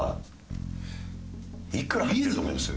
いくら入ってると思います？